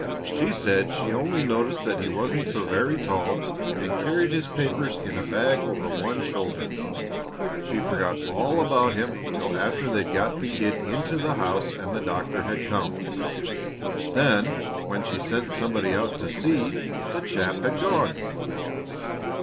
She said she only noticed that he wasn't so very tall and carried his papers in a bag over one shoulder. She forgot all about him till after they'd got the kid into the house and the doctor had come. Then when she sent somebody out to see, the chap had gone."